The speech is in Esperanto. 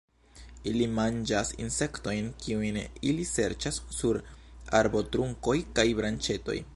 Ili manĝas insektojn, kiujn ili serĉas sur arbotrunkoj kaj branĉetoj.